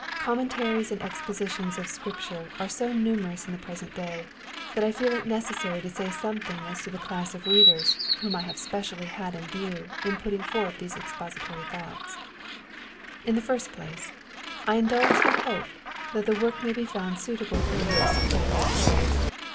Commentftties and Expositions of Scripture are so numerous in the present day, that I feel it necessary to say something as to the class of readers whom I have specially had in view in putting forth these Exfositoby Thoughts. In the first place, I indulge the hope, that the work may be found suitable for use at family prayers.